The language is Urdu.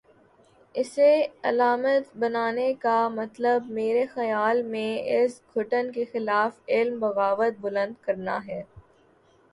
اسے علامت بنانے کا مطلب، میرے خیال میں اس گھٹن کے خلاف علم بغاوت بلند کرنا ہے۔